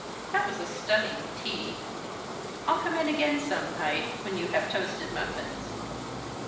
That was a stunning tea! I'll come in again some night, when you have toasted muffins!"